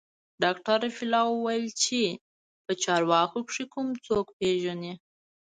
ډاکتر رفيع الله وويل چې په چارواکو کښې کوم څوک پېژني.